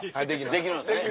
できるんですね。